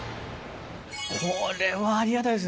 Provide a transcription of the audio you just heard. これはありがたいですね。